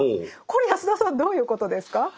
これ安田さんどういうことですか？